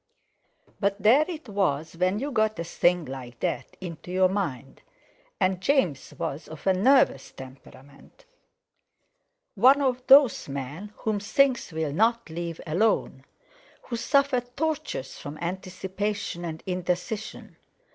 But there it was when you got a thing like that into your mind. And James was of a nervous temperament—one of those men whom things will not leave alone, who suffer tortures from anticipation and indecision.